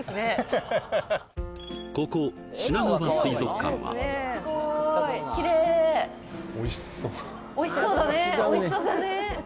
ここしながわ水族館はおいしそうだねおいしそうだね